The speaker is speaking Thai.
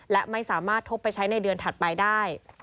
และไม่สามารถทบไปใช้ในเดือนถัดไปได้